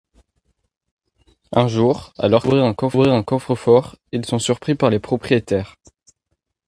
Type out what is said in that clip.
Un jour, alors qu'ils tentent d'ouvrir un coffre-fort, ils sont surpris par les propriétaires.